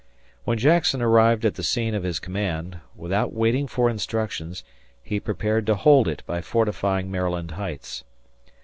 When Jackson arrived at the scene of his command, without waiting for instructions, he prepared to hold it by fortifying Maryland Heights."